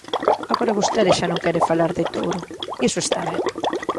Agora vostede xa non quere falar de Touro; iso está ben.